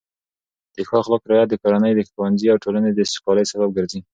د ښو اخلاقو رعایت د کورنۍ، ښوونځي او ټولنې د سوکالۍ سبب ګرځي.